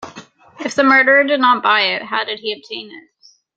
If the murderer did not buy it, how did he obtain it?